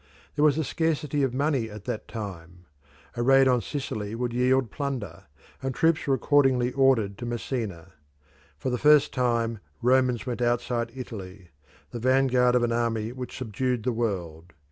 There was a scarcity of money at that time; a raid on Sicily would yield plunder, and troops were accordingly ordered to Messina. For the first time Romans went outside Italy the vanguard of an army which subdued the world.